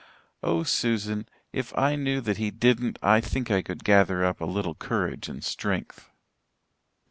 Oh, Susan, if I knew that he didn't I think I could gather up a little courage and strength."